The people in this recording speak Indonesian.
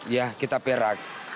ya kita perak